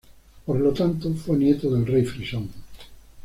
Por lo tanto, fue nieto del rey frisón.